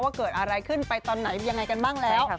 ว่าเกิดอะไรขึ้นไปตอนไหนยังไงกันบ้างแล้ว